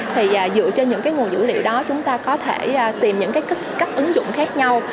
thì dựa trên những cái nguồn dữ liệu đó chúng ta có thể tìm những cái cách ứng dụng khác nhau